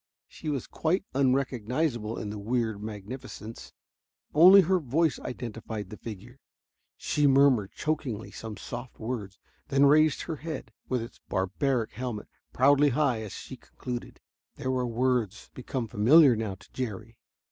She was quite unrecognizable in the weird magnificence. Only her voice identified the figure. She murmured chokingly some soft words, then raised her head with its barbaric helmet proudly high as she concluded. There were words become familiar now to Jerry.